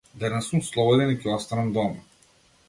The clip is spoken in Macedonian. Денес сум слободен и ќе останам дома.